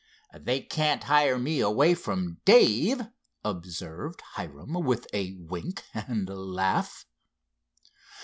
"They can't hire me away from Dave," observed Hiram with a wink and a laugh.